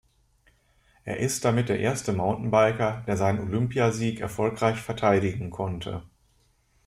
Er ist damit der erste Mountainbiker, der seinen Olympiasieg erfolgreich verteidigen konnte.